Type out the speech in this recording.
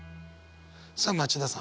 さあ町田さん。